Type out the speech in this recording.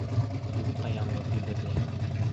Юҡҡа яңғыҙ йүгерҙе.